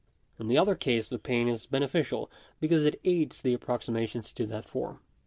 In the other case the pain is beneficial, because it aids the approximation to that form.